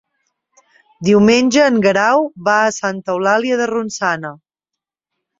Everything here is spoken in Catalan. Diumenge en Guerau va a Santa Eulàlia de Ronçana.